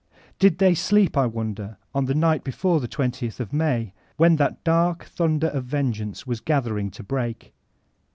Did they sleep, I wonder, on the night before the JOth of May, when that dark thunder of vengeance was gather ing to break